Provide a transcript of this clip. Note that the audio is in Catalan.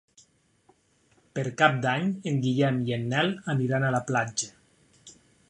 Per Cap d'Any en Guillem i en Nel aniran a la platja.